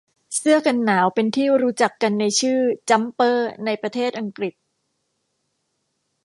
เสื้อกันหนาวเป็นที่รู้จักกันในชื่อ “จั๊มเปอร์” ในประเทษอังกฤษ